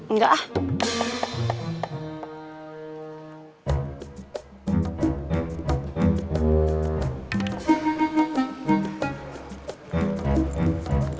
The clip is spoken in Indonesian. udah disusit deh